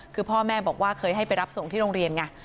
คือพ่อแม่บอกว่าเคยให้ไปรับส่งที่โรงเรียนไง